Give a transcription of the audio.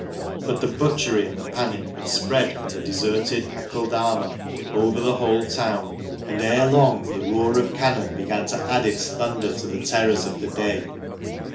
But the butchery and the panic had spread from the deserted Aceldama over the whole town, and ere long the roar of cannon THE MANCHESTER MAN. 179 began to add its thunder to the terrors of the day.